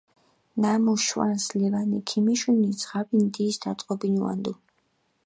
ნამუ შვანს ლევანი ქიმიშუნი, ძღაბი ნდის დატყობინუანდუ.